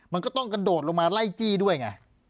มันก็ต้องกระโดดลงมาไล่จี้ด้วยไง